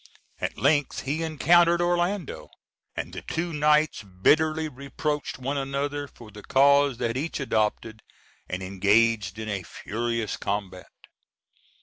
At length he encountered Orlando, and the two knights bitterly reproached one another for the cause they had each adopted, and engaged in a furious combat.